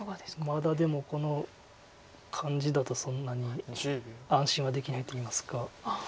まだでもこの感じだとそんなに安心はできないといいますか。